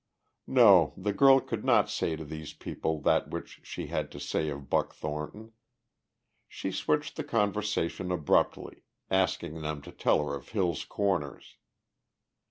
No, the girl could not say to these people that which she had to say of Buck Thornton. She switched the conversation abruptly, asking them to tell her of Hill's Corners.